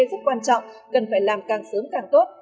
rất quan trọng cần phải làm càng sớm càng tốt